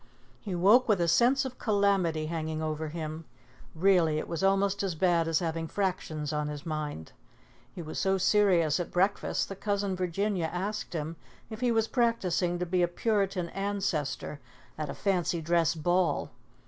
He woke with a sense of calamity hanging over him. Really, it was almost as bad as having fractions on his mind. He was so serious at breakfast that Cousin Virginia asked him if he was practicing to be a Puritan Ancestor at a fancy dress ball.